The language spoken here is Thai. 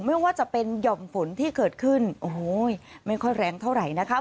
ไม่ว่าจะเป็นหย่อมฝนที่เกิดขึ้นโอ้โหไม่ค่อยแรงเท่าไหร่นะคะ